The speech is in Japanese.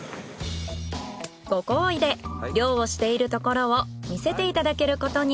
ご厚意で漁をしているところを見せていただけることに。